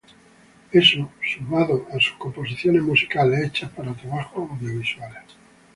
Eso, sumado a sus composiciones musicales hechas para trabajos audiovisuales.